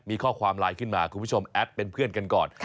มีข้อความไลน์ขึ้นมาคุณผู้ชมแอดเป็นเพื่อนกันก่อน